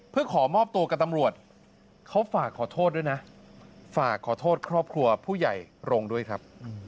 เพื่อขอมอบตัวกับตำรวจเขาฝากขอโทษด้วยนะฝากขอโทษครอบครัวผู้ใหญ่โรงด้วยครับ